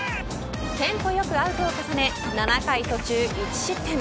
テンポよくアウトを重ね７回途中１失点。